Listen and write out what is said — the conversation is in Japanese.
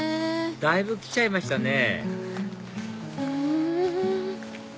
だいぶ来ちゃいましたね